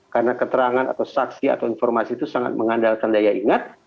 karena keterangan atau saksi atau informasi itu sangat mengandalkan daya ingat